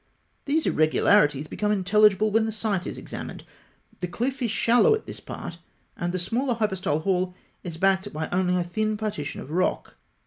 These irregularities become intelligible when the site is examined. The cliff is shallow at this part, and the smaller hypostyle hall is backed by only a thin partition of rock.